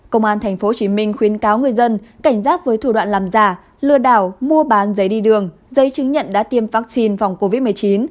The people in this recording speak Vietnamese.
công an tp hcm khuyến cáo người dân cảnh giác với thủ đoạn làm giả lừa đảo mua bán giấy đi đường giấy chứng nhận đã tiêm vaccine phòng covid một mươi chín